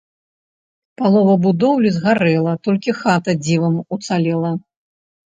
Палова будоўлі згарэла, толькі хата дзівам уцалела.